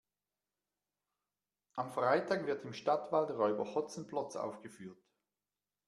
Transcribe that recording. Am Freitag wird im Stadtwald Räuber Hotzenplotz aufgeführt.